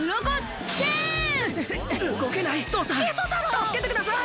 たすけてください！